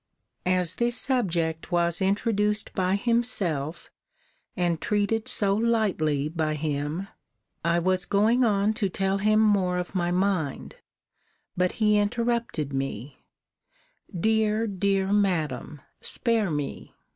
] As this subject was introduced by himself, and treated so lightly by him, I was going on to tell him more of my mind; but he interrupted me Dear, dear Madam, spare me.